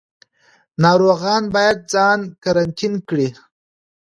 ناروغان باید ځان قرنطین کړي.